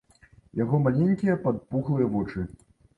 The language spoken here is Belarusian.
Яго маленькія падпухлыя вочы.